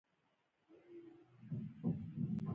د میرمنو کار او تعلیم مهم دی ځکه چې ناروغیو مخنیوی کوي.